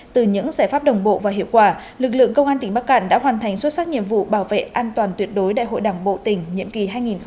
từ những giải pháp đồng bộ và hiệu quả lực lượng công an tỉnh bắc cạn đã hoàn thành xuất sắc nhiệm vụ bảo vệ an toàn tuyệt đối đại hội đảng bộ tỉnh nhiệm kỳ hai nghìn hai mươi hai nghìn hai mươi năm